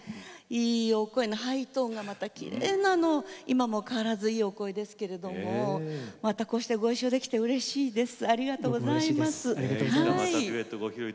いいお声のハイトーンがまたきれいな、今も変わらずいいお声ですけれどもまたこうしてごいっしょできてうれしいです。